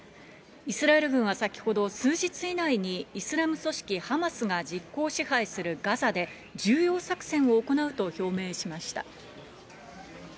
イスラエル軍は先ほど数日以内にイスラム組織ハマスが実効支配するガザで、重要作戦を行うと表明しました。